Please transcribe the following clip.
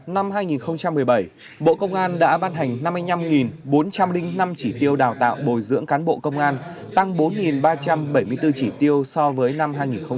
năm hai nghìn một mươi bảy bộ công an đã ban hành năm mươi năm bốn trăm linh năm chỉ tiêu đào tạo bồi dưỡng cán bộ công an tăng bốn ba trăm bảy mươi bốn chỉ tiêu so với năm hai nghìn một mươi bảy